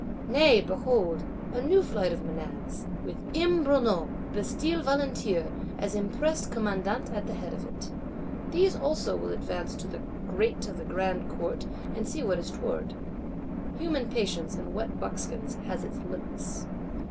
Nay, behold, a new flight of Menads, with "M. Brunout Bastille Volunteer," as impressed commandant, at the head of it. These also will advance to the Grate of the Grand Court, and see what is toward. Human patience, in wet buckskins, has its limits.